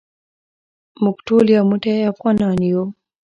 موږ ټول یو موټی افغانان یو.